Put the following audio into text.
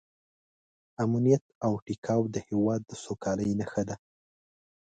امنیت او ټیکاو د هېواد د سوکالۍ نښه ده.